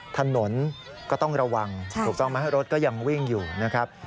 ถนนก็ต้องระวังถูกต้องไหมรถก็ยังวิ่งอยู่นะครับ